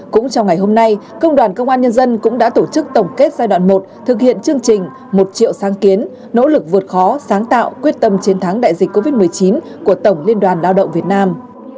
cũng trong ngày hôm nay công đoàn công an nhân dân cũng đã tổ chức tổng kết giai đoạn một thực hiện chương trình một triệu sáng kiến nỗ lực vượt khó sáng tạo quyết tâm chiến thắng đại dịch covid một mươi chín của tổng liên đoàn lao động việt nam